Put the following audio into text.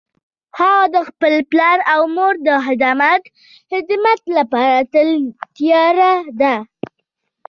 هغه د خپل پلار او مور د خدمت لپاره تل تیار ده